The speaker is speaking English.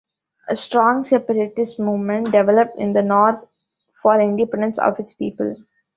A strong separatist movement developed in the north for independence of its people.